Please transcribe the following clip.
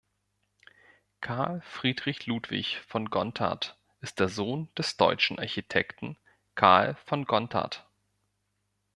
Carl Friedrich Ludwig von Gontard ist der Sohn des deutschen Architekten Carl von Gontard.